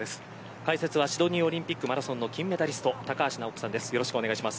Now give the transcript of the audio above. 解説はシドニーオリンピックマラソンの金メダリスト高橋尚子さんです。